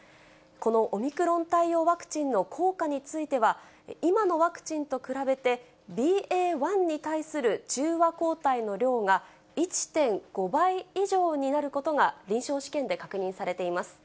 このオミクロン対応ワクチンの効果については、今のワクチンと比べて、ＢＡ．１に対する中和抗体の量が１．５倍以上になることが臨床試験で確認されています。